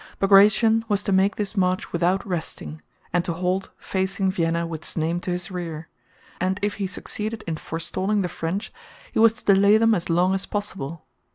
Bagratión was to make this march without resting, and to halt facing Vienna with Znaim to his rear, and if he succeeded in forestalling the French he was to delay them as long as possible.